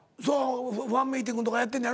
ファンミーティングとかやってんねやろ？